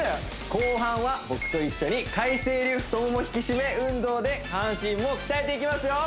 後半は僕と一緒に海青流太モモ引き締め運動で下半身を鍛えていきますよ